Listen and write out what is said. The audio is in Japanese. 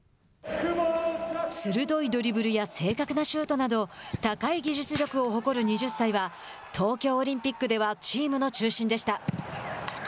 鋭いドリブルや正確なシュートなど高い技術力を誇る２０歳は東京オリンピックではチームの中心でした。